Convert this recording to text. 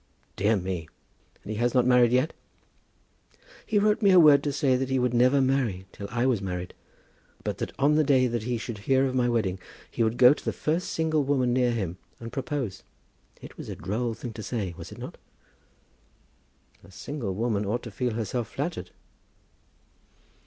"Dear me! And he has not married yet?" "He wrote me word to say that he would never marry till I was married, but that on the day that he should hear of my wedding, he would go to the first single woman near him and propose. It was a droll thing to say; was it not?" "The single woman ought to feel herself flattered."